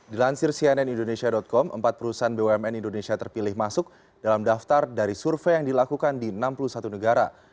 dilansir cnn indonesia com empat perusahaan bumn indonesia terpilih masuk dalam daftar dari survei yang dilakukan di enam puluh satu negara